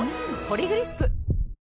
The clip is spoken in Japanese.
「ポリグリップ」